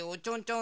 ん？